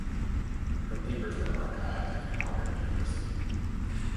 Her papers are archived at Howard University.